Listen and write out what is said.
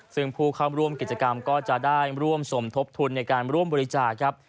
ซึ่งผู้เข้าร่วมกิจกรรมก็จะได้ร่วมสมทบทุนในการร่วมบริจาคครับ